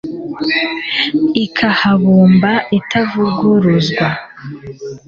Ikahabumba itavuguruzwa